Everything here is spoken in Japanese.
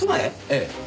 ええ。